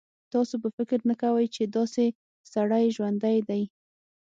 تاسو به فکر نه کوئ چې داسې سړی ژوندی دی.